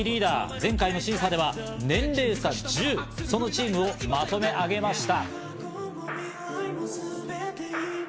前回の審査では年齢差１０、そのチームをまとめ上げました。